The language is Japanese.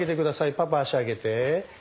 パパ脚上げて。